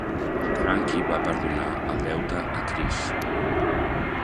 Frankie va perdonar el deute a Chris.